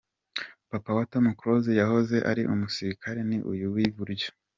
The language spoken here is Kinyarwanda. Papa wa Tom Close yahoze ari umusirikare, ni uyu w'iburyo.